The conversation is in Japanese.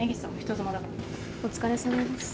お疲れさまです。